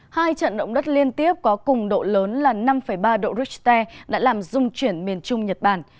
hai trận động đất liên tiếp có cùng độ lớn là năm ba độ richter đã làm dung chuyển miền trung nhật bản